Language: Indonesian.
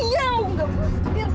iya enggak boleh